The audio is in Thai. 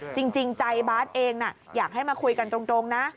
จริงใจบาร์ดเองอยากให้มาคุยกันตรงนะ